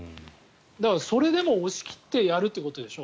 それでも押し切ってやるということでしょ？